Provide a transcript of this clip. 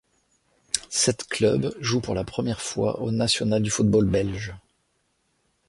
Sept clubs jouent pour la première fois au national du football belge.